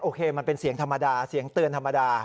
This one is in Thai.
มันเป็นเสียงธรรมดาเสียงเตือนธรรมดา